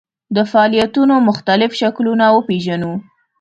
د فعالیتونو مختلف شکلونه وپېژنو.